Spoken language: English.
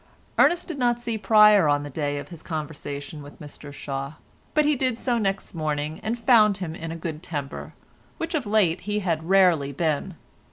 Ernest did not see Pryer on the day of his conversation with Mr Shaw, but he did so next morning and found him in a good temper, which of late he had rarely been.